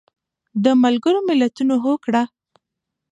د ملګرو ملتونو هوکړه